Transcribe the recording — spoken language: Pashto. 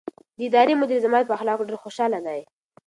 د ادارې مدیر زما په اخلاقو ډېر خوشحاله دی.